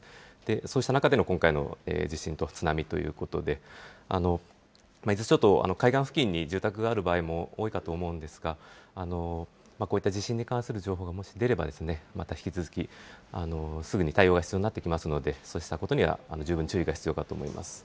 そうした中での今回の地震と津波ということで、伊豆諸島、海岸付近に住宅がある場合も多いかと思うんですが、こういった地震に関する情報がもし出れば、また引き続きすぐに対応が必要になってきますので、そうしたことには十分注意が必要かと思います。